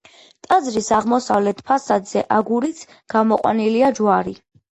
ტაძრის აღმოსავლეთ ფასადზე აგურით გამოყვანილია ჯვარი.